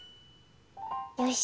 よし。